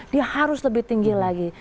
dia harus lebih tinggi lagi